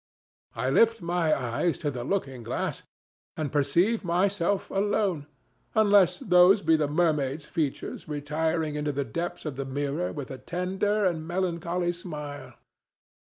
I lift my eyes to the looking glass, and perceive myself alone, unless those be the mermaid's features retiring into the depths of the mirror with a tender and melancholy smile.